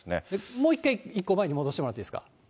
もう一回、一個前に戻してもらっていいですか。